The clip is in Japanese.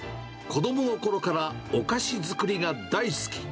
子どものころからお菓子作りが大好き。